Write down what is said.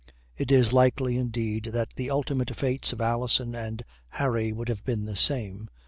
It is likely, indeed, that the ultimate fates of Alison and Harry would have been the same.